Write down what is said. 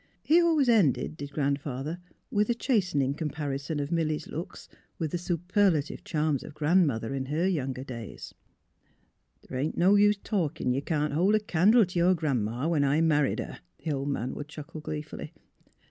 He always ended, did Grandfather, with a chastening comparison of Milly 's looks " with the superlative charms of Grandmother, in her younger days :" The' ain't no use o' talkin', ye can't hold a candle t' yer Gran 'ma, when I married her! " the old man would chuckle gleefully.